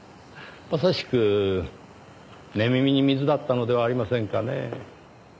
まさしく寝耳に水だったのではありませんかねぇ。